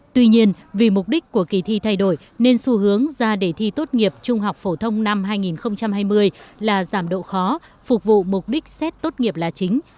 tuy nhiên vì mục đích của kỳ thi thay đổi nên xu hướng ra để thi tốt nghiệp trung học phổ thông năm hai nghìn hai mươi là giảm độ khó phục vụ mục đích xét tốt nghiệp là chính